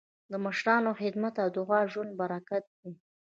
د مشرانو خدمت او دعا د ژوند برکت دی.